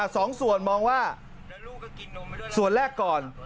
สองส่วนมองว่าส่วนแรกก่อน